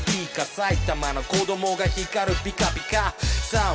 埼玉の子どもが光るピカピカさあ